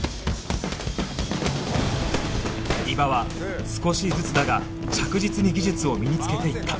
伊庭は少しずつだが着実に技術を身につけていった